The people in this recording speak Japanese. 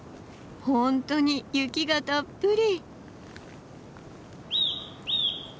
本当に雪がたっぷり！